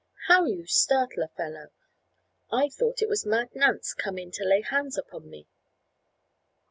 "How you startle a fellow! I thought it was Mad Nance come in to lay hands upon me."